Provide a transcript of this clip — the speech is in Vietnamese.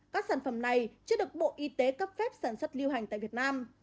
các sản phẩm này chưa được bộ y tế cấp phép sản xuất lưu hành tại việt nam